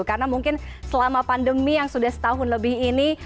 karena mungkin selama pandemi yang sudah setahun lebih ini